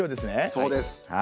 そうです。